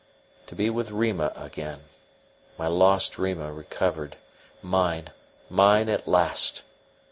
To be with Rima again my lost Rima recovered mine, mine at last!